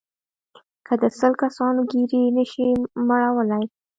که د سل کسانو ګېډې نه شئ مړولای.